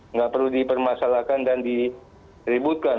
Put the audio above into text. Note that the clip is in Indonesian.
nggak perlu dipermasalahkan dan diributkan